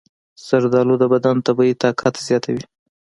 زردآلو د بدن طبیعي طاقت زیاتوي.